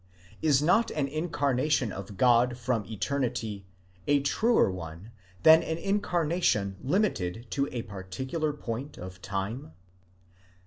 is not an incarnation of God from eternity, a truer one than an incarnation limited to a particular point of time.